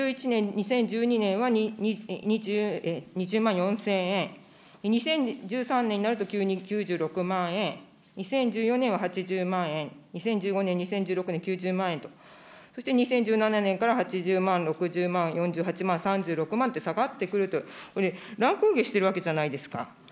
２０１１年、２０１２年は、２０万４０００円、２０１３年になると急に９６万円、２０１４年は８０万円、２０１５年、２０１６年、９０万円と、そして２０１７年から８０万、６０万、４８万、３６万と下がってくると、これね、乱高下しているわけじゃないですか。